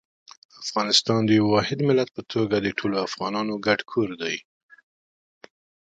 افغانستان د یو واحد ملت په توګه د ټولو افغانانو ګډ کور دی.